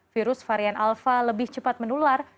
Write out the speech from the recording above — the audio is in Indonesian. virus varian alpha lebih cepat menular